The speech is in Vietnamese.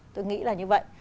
tôi nghĩ là như vậy